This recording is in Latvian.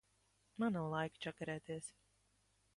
Man nav laika čakarēties.